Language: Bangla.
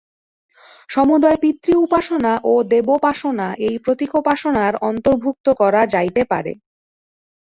সমুদয় পিতৃ-উপাসনা ও দেবোপাসনা এই প্রতীকোপাসনার অন্তর্ভুক্ত করা যাইতে পারে।